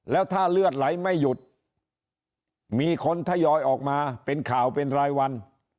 แล้วถ้าเลือดไหลไม่หยุดมีคนทยอยออกมาเป็นข่าวเป็นรายวัน